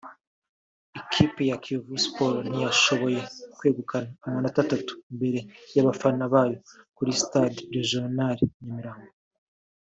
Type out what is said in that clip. Ikipe ya Kiyovu Sports ntiyashoboye kwegukana amanota atatu imbere y’abafana bayo kuri Stade Regional i Nyamirambo